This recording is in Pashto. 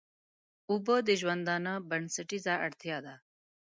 اوبه د ژوندانه بنسټيزه اړتيا ده.